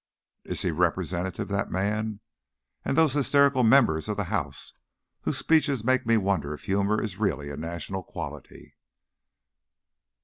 "Is he representative, that man? And those hysterical members of the House, whose speeches make me wonder if humour is really a national quality?"